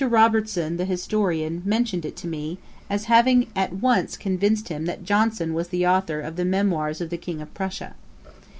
Robertson, the historian, mentioned it to me, as having at once convinced him that Johnson was the author of the 'Memoirs of the King of Prussia.'